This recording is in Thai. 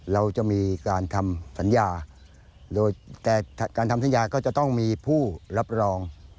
เราจะมีการทำสัญญาโดยแต่การทำสัญญาก็จะต้องมีผู้รับรอง